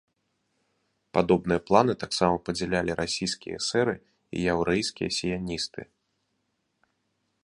Падобныя планы таксама падзялялі расійскія эсэры і яўрэйскія сіяністы.